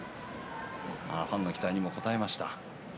ファンの期待にも応えました。